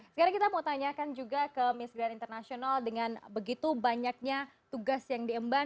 sekarang kita mau tanyakan juga ke miss grand internasional dengan begitu banyaknya tugas yang diemban